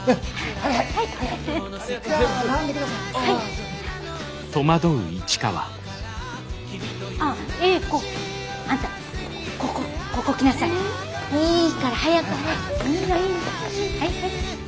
はいはい。